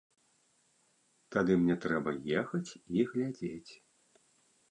Тады мне трэба ехаць і глядзець.